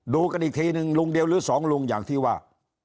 กันอีกทีนึงลุงเดียวหรือสองลุงอย่างที่ว่า